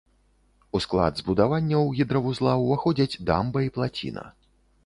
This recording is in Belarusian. У склад збудаванняў гідравузла ўваходзяць дамба і плаціна.